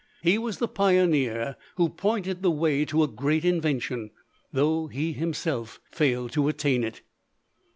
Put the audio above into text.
He was the pioneer who pointed the way to a great invention, though he himself failed to attain it.